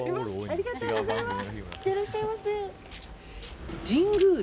ありがとうございます。